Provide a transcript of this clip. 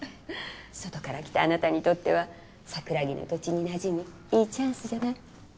外から来たあなたにとっては桜木の土地に馴染むいいチャンスじゃない？